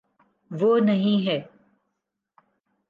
وہ نہیں ہے۔